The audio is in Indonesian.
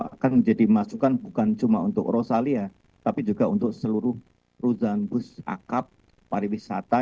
akan menjadi masukan bukan cuma untuk rosalia tapi juga untuk seluruh perusahaan bus akap pariwisata